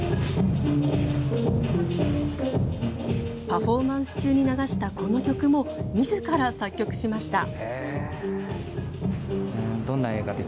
パフォーマンス中に流したこの曲もみずから作曲しました。